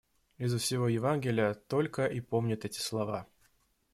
Изо всего Евангелия только и помнят эти слова.